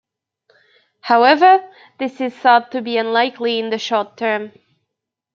However, this is thought to be unlikely in the short term.